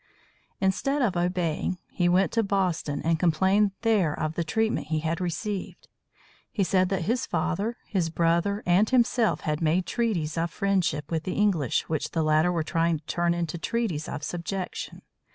Instead of obeying, he went to Boston and complained there of the treatment he had received. He said that his father, his brother, and himself had made treaties of friendship with the English which the latter were trying to turn into treaties of subjection.